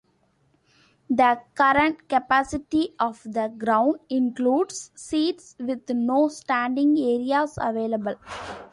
The current capacity of the ground includes seats with no standing areas available.